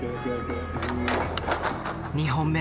２本目。